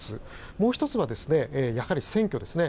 もう１つは、選挙ですね。